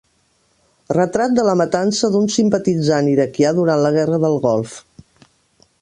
Retrat de la matança d'un simpatitzant iraquià durant la guerra del Golf.